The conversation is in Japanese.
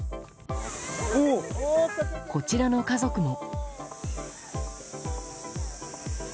こちらの家族も。